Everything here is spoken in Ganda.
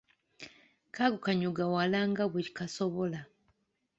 Kagukanyuga wala nga bwe kasobola.